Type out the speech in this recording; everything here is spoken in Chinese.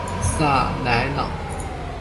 萨莱朗。